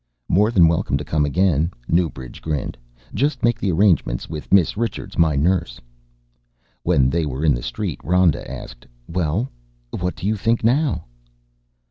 "More than welcome to come again," Newbridge grinned. "Just make the arrangements with Miss Richards, my nurse." When they were in the street Rhoda asked, "Well, what do you think now?"